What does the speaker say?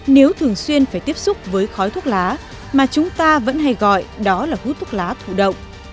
nếu thường xuyên phải tiếp xúc với khói thuốc lá mà chúng ta vẫn hay gọi đó là hút thuốc lá thụ động